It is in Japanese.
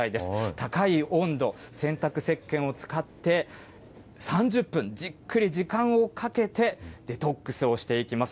高い温度、洗濯せっけんを使って３０分、じっくり時間をかけてデトックスをしていきます。